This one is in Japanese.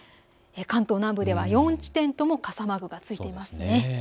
関東は南部では４地点とも傘マークがついています。